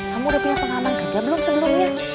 kamu udah punya pengalaman kerja belum sebelumnya